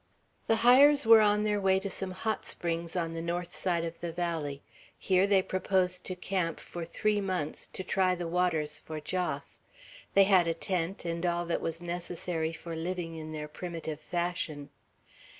The Hyers were on their way to some hot springs on the north side of the valley. Here they proposed to camp for three months, to try the waters for Jos. They had a tent, and all that was necessary for living in their primitive fashion.